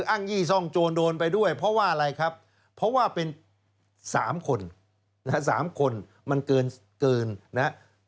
ยี่ซ่องโจรโดนไปด้วยเพราะว่าอะไรครับเพราะว่าเป็น๓คน๓คนมันเกินนะครับ